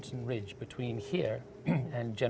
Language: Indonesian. tidak terbiasa berterusan di atas gunung